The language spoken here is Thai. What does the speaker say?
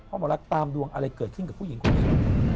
พ่อหมอรักตามดวงอะไรเกิดขึ้นกับผู้หญิงคุณเอง